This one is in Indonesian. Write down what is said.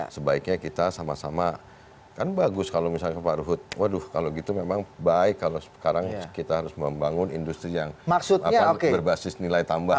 sebaiknya kita sama sama kan bagus kalau misalnya pak ruhut waduh kalau gitu memang baik kalau sekarang kita harus membangun industri yang berbasis nilai tambah